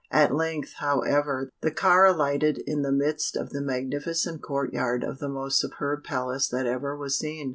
At length, however, the car alighted in the midst of the magnificent court yard of the most superb palace that ever was seen.